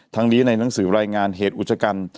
ทั้งนี้ในหนังสือรายงานเหตุอุจกรรม